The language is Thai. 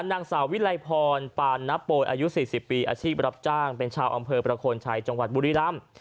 นางสาววิลัยพรปานนับโปยอายุ๔๐ปีอาชีพรับจ้างเป็นชาวอำเภอประโคนชัยจังหวัดบุรีรำ